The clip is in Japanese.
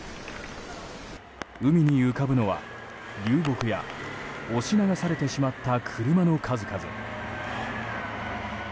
海に浮かぶのは、流木や押し流されてしまった車の数々。